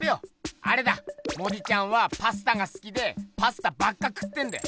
あれだモディちゃんはパスタがすきでパスタばっか食ってんだよ。